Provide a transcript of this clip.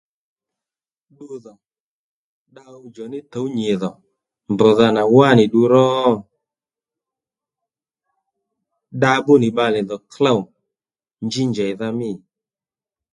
Ddudhò dda ɦuwdjò ní tǔw nyìdhò mbdha nà wánì ddu ró? Dda bbú nì bbalè dhò klôw njí njèydha mî